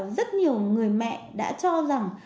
rất nhiều người mẹ đã cho rằng